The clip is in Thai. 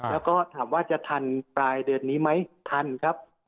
แล้วก็ถามว่าจะทันปลายเดือนนี้ไหมทันครับ